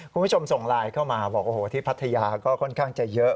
คุณผู้ชมส่งไลน์เข้ามาบอกโอ้โหที่พัทยาก็ค่อนข้างจะเยอะ